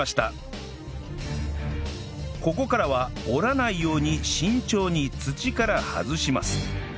ここからは折らないように慎重に土から外します